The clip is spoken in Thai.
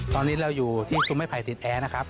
ตอนนี้เราอยู่ที่ซุ้มไม้ไผ่ติดแท้นะครับ